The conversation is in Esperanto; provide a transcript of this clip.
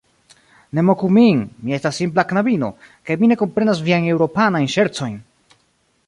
Ne moku min; mi estas simpla knabino, kaj ne komprenas viajn Eŭropanajn ŝercojn.